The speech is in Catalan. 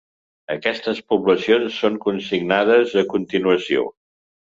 Aquestes poblacions són consignades a continuació.